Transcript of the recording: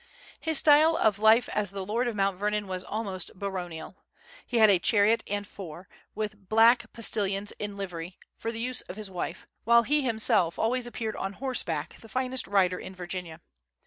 His style of life as the lord of Mount Vernon was almost baronial. He had a chariot and four, with black postilions in livery, for the use of his wife, while he himself always appeared on horseback, the finest rider in Virginia.